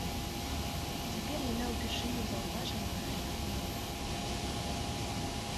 Цяпер яна ўпершыню заўважыла гэтакую бацькаву постаць.